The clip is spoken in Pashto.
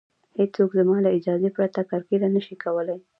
هېڅوک زما له اجازې پرته کرکیله نشي کولی